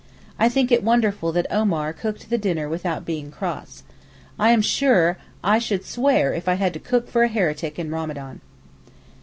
I think it wonderful that Omar cooked the dinner without being cross. I am sure I should swear if I had to cook for a heretic in Ramadan.